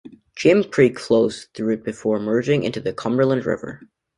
Jim Creek flows through it before merging into the Cumberland River.